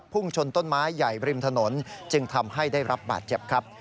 ชนต้นไม้ใหญ่ริมถนนจึงทำให้ได้รับบาดเจ็บครับ